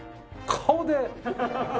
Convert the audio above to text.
顔で。